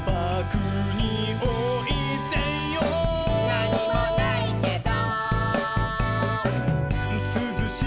「なにもないけど」